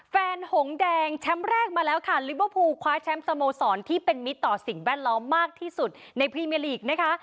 หงแดงแชมป์แรกมาแล้วค่ะลิเวอร์พูลคว้าแชมป์สโมสรที่เป็นมิตรต่อสิ่งแวดล้อมมากที่สุดในพรีเมียลีกนะคะ